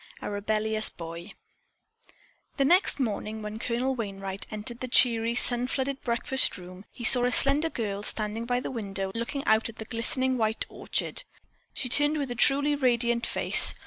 A REBELLIOUS BOY The next morning when Colonel Wainright entered the cheery, sun flooded breakfast room, he saw a slender girl standing by the window looking out at the glistening white orchard. She turned with a truly radiant face.